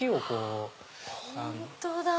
本当だ！